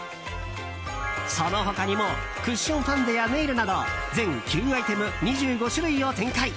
その他にもクッションファンデやネイルなど全９アイテム２５種類を展開。